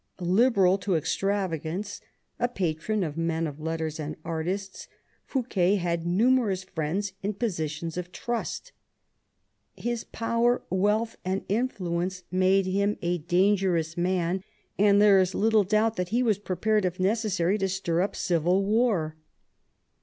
Liberal to extravagance, a patron of men of letters and artists, Fouquet had numerous friends in positions of trust His power, wealth, and influence made him a dangerous man, and there is little doubt that he was prepared if necessary to stir up civil war.